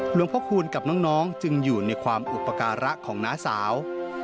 หลวงพ่อคูณกับน้องจึงอยู่ในความอุปการะของน้าสาว